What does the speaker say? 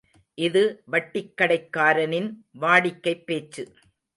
இது வட்டிக்கடைக்காரனின் வாடிக்கைப் பேச்சு.